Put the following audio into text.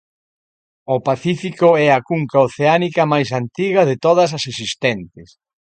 O Pacífico é a cunca oceánica máis antiga de todas as existentes.